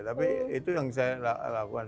tapi itu yang saya lakukan